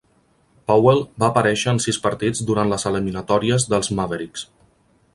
Powell va aparèixer en sis partits durant les eliminatòries dels Mavericks.